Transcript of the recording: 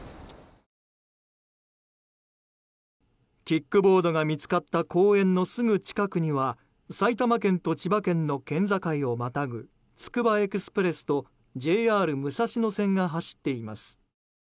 キックボードが見つかった公園のすぐ近くには埼玉県と千葉県の県境をまたぐつくばエクスプレスとＪＲ武蔵野線が走っています。